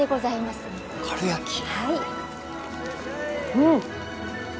うん！